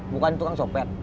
bukan tukang copet